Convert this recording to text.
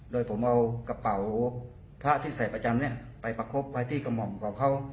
โดยผมเอากระเป๋าพระที่ใส่ประจำไปประคบไว้ที่กระหม่อมของเขา